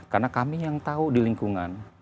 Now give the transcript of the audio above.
karena kami yang tahu di lingkungan